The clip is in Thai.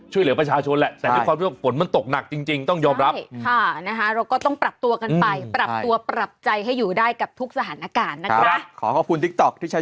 หลายคนรับปริญญาแต่ว่าคุณแม่ท่านนี้เขาดีใจมากจะดีใจ